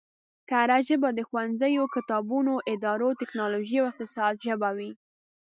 کره ژبه د ښوونځیو، کتابونو، ادارو، ټکنولوژۍ او اقتصاد ژبه وي